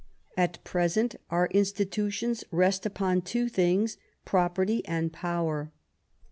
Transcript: At present our institutions rest upon two things: property and power.